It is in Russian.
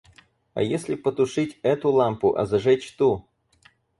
А если потушить эту лампу, а зажечь ту?